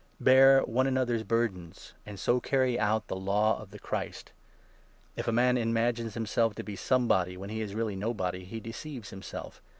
Bear 2 one another's burdens, and so carry out the Law of the Christ. If a man imagines himself to be somebody, when he is really 3 nobody, he deceives himself.